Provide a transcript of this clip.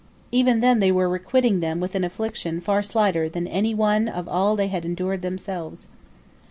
Even then they were requiting them with an affliction far slighter than any one of all they had endured themselves.